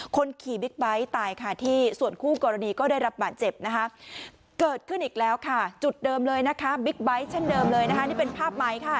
คนขี่บิ๊กไบท์ตายค่ะที่ส่วนคู่กรณีก็ได้รับบาดเจ็บนะคะเกิดขึ้นอีกแล้วค่ะจุดเดิมเลยนะคะบิ๊กไบท์เช่นเดิมเลยนะคะนี่เป็นภาพไม้ค่ะ